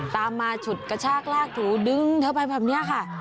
ตามมาฉุดกระชากลากถูดึงเธอไปแบบนี้ค่ะ